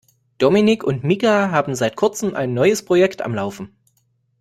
Dominik und Mika haben seit kurzem ein neues Projekt am Laufen.